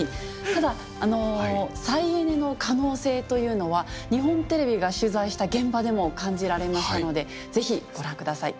ただ再エネの可能性というのは日本テレビが取材した現場でも感じられましたのでぜひご覧ください。